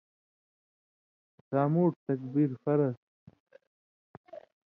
سامُوٹھ تکبیر فرض تھُو۔